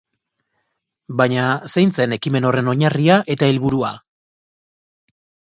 Baina zein zen ekimen horren oinarria eta helburua?